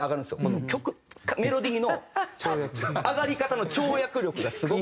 メロディーの上がり方の跳躍力がすごくて。